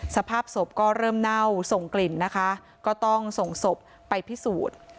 สภาพศพก็เริ่มเน่าส่งกลิ่นนะคะก็ต้องส่งศพไปพิสูจน์